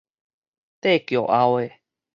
綴轎後的